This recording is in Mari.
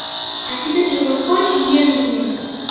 А тидыже моткоч йӧндымӧ.